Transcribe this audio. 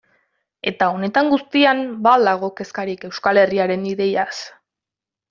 Eta honetan guztian ba al dago kezkarik Euskal Herriaren ideiaz?